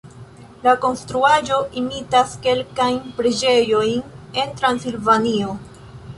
La konstruaĵo imitas kelkajn preĝejojn en Transilvanio.